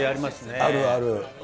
あるある。